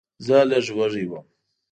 زه لږ وږی وم.